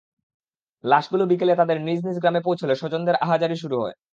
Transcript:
লাশগুলো বিকেলে তাঁদের নিজ নিজ গ্রামে পৌঁছালে স্বজনদের আহাজারি শুরু হয়।